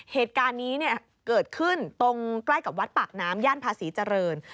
เหตุการณ์นี้เกิดขึ้นตรงใกล้กับวัดปากน้ำย่านภาษีเจริญ